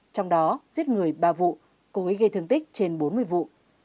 trong đó giết người ba vụ